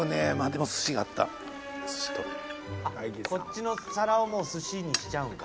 こっちの皿をもう寿司にしちゃうんかな？